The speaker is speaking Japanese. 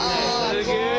すげえ！